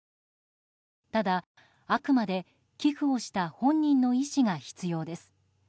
ただ、あくまで寄付をした本人の意思が必要です。